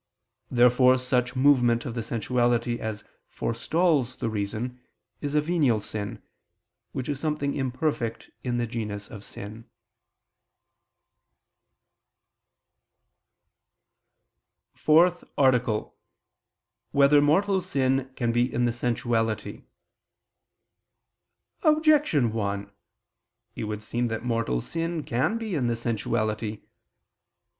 Therefore such movement of the sensuality as forestalls the reason, is a venial sin, which is something imperfect in the genus of sin. ________________________ FOURTH ARTICLE [I II, Q. 74, Art. 4] Whether Mortal Sin Can Be in the Sensuality? Objection 1: It would seem that mortal sin can be in the sensuality.